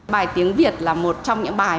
bài tiếng việt là một trong những bài